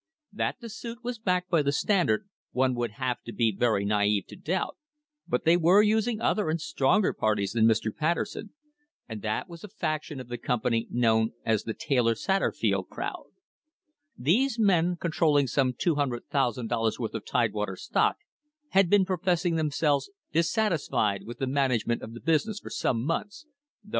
That the suit was backed by the Standard, one would have to be very na'ive to doubt, but they were using other and stronger parties than Mr. Patterson, and that was a faction of the company known as the "Taylor Satterfield crowd." These men, controlling some $200,000 worth of Tidewater stock, had been professing themselves dissatisfied with the management of the business for some months, though always * Court of Common Pleas, Crawford County, Pennsylvania.